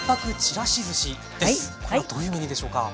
これはどういうメニューでしょうか？